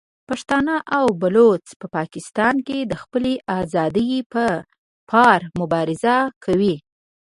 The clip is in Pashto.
پښتانه او بلوڅ په پاکستان کې د خپلې ازادۍ په پار مبارزه کوي.